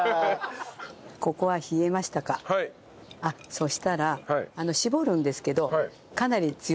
そしたら絞るんですけどかなり強く。